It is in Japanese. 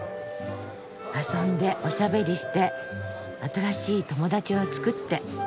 遊んでおしゃべりして新しい友達を作って。